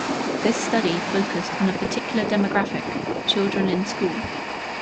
This study focused on a particular demographic: children in school.